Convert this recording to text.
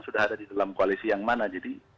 sudah ada di dalam koalisi yang mana jadi